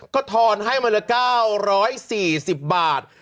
ก็ทอนให้วันละ๙๔๐บาท